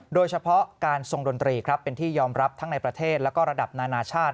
โดยเฉพาะการทรงดนตรีครับเป็นที่ยอมรับทั้งในประเทศและระดับนานาชาติ